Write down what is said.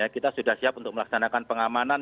kita sudah siap untuk melaksanakan pengamanan